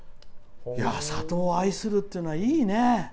郷を愛するっていうのはいいね！